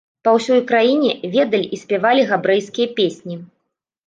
Па ўсёй краіне ведалі і спявалі габрэйскія песні.